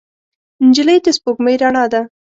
نجلۍ د سپوږمۍ رڼا ده.